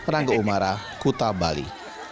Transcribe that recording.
rangga umara kuta bali